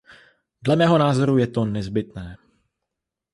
Dle mého názoru je to nezbytné.